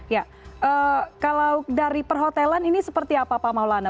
ya kalau dari perhotelan ini seperti apa pak maulana